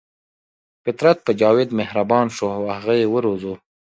فطرت په جاوید مهربان شو او هغه یې وروزه